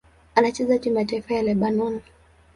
Anachezea timu ya taifa ya Lebanoni.